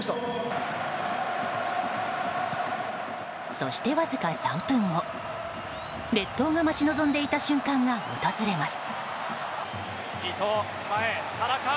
そして、わずか３分後列島が待ち望んでいた瞬間が訪れます。